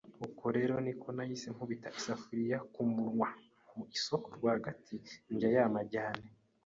Uko rero niko nahise nkubita isafuriya ku munwa mu isoko rwagati ndya ya majyane.